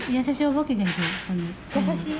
優しい？